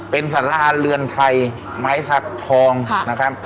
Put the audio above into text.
เป็นสาราเรือนไทยไม้สักทองนะครับ